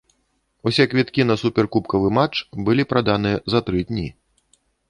Усе квіткі на суперкубкавы матч былі праданыя за тры дні.